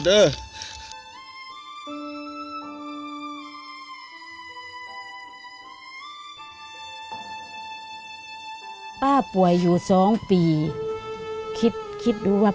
และป้าเป็นคนที่ไม่คิดว่ากลัว